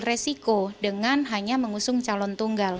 resiko dengan hanya mengusung calon tunggal